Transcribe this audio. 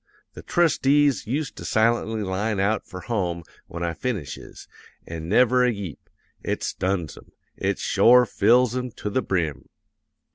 The trustees used to silently line out for home when I finishes, an' never a yeep. It stuns 'em; it shore fills 'em to the brim!